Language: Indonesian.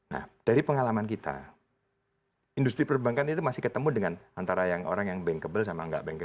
nah dari pengalaman kita industri perbankan itu masih ketemu dengan antara orang yang bankable sama nggak bankable kan begitu